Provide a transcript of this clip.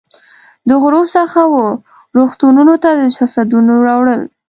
د غرو څخه وه رغتونونو ته د جسدونو راوړل.